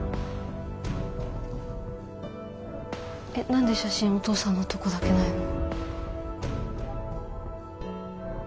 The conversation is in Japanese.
えっ何で写真お父さんのとこだけないの？